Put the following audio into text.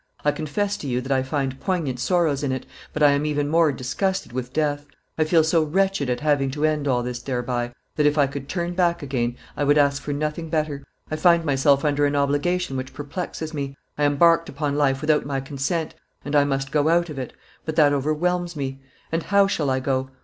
I confess to you that I find poignant sorrows in it, but I am even more disgusted with death; I feel so wretched at having to end all this thereby, that, if I could turn back again, I would ask for nothing better. I find myself under an obligation which perplexes me: I embarked upon life without my consent, and I must go out of it; that overwhelms me. And how shall I go?